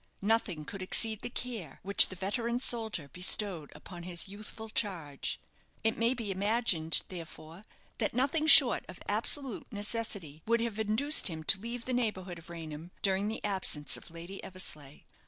Nothing could exceed the care which the veteran soldier bestowed upon his youthful charge. It may be imagined, therefore, that nothing short of absolute necessity would have induced him to leave the neighbourhood of Raynham during the absence of Lady Eversleigh.